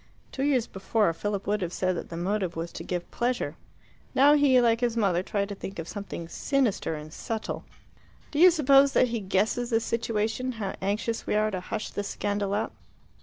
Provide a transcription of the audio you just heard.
Two years before, Philip would have said that the motive was to give pleasure. Now he, like his mother, tried to think of something sinister and subtle. "Do you suppose that he guesses the situation how anxious we are to hush the scandal up?"